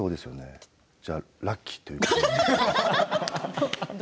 じゃあラッキーということで。